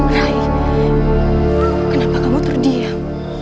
rai kenapa kamu terdiam